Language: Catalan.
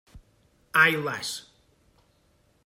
Ai las!